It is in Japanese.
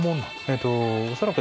えっと